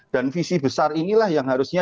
dan visi besar inilah yang harusnya